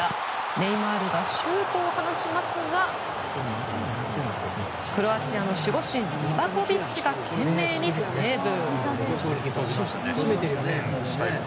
ネイマールがシュートを放ちますがクロアチアの守護神リバコビッチが懸命にセーブ。